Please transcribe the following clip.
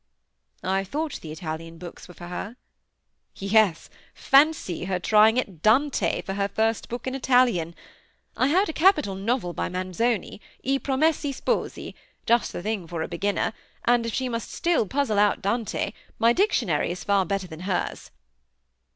"I thought the Italian books were for her." "Yes! Fancy her trying at Dante for her first book in Italian! I had a capital novel by Manzoni, I Promessi Sposi, just the thing for a beginner; and if she must still puzzle out Dante, my dictionary is far better than hers."